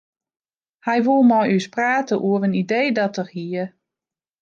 Hy woe mei ús prate oer in idee dat er hie.